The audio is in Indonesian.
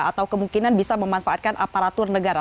atau kemungkinan bisa memanfaatkan aparatur negara